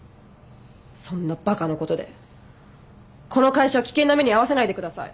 そんなバカのことでこの会社を危険な目に遭わせないでください！